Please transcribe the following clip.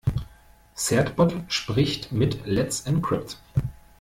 Certbot spricht mit Let's Encrypt.